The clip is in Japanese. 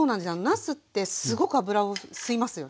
なすってすごく油を吸いますよね。